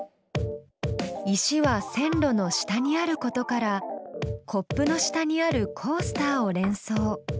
石は線路の下にあることからコップの下にあるコースターを連想。